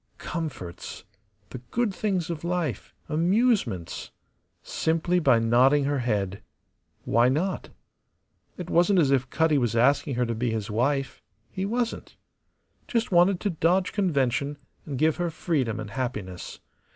Comforts, the good things of life, amusements simply by nodding her head. Why not? It wasn't as if Cutty was asking her to be his wife; he wasn't. Just wanted to dodge convention, and give her freedom and happiness.